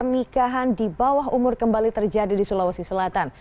pernikahan di bawah umur kembali terjadi di sulawesi selatan